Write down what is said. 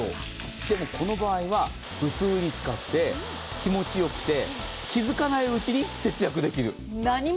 でもこの場合は普通に使って、気持ちよくて、気付かないうちに節約できる。